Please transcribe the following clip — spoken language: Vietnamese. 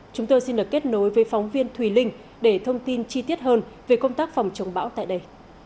chúng tôi xin được kết nối với phóng viên thùy linh để thông tin chi tiết hơn về công tác phòng chống bão tại đây